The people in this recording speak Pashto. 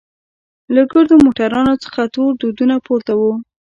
له ګردو موټرانو څخه تور دودونه پورته وو.